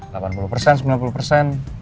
nah kalau misalnya kamu udah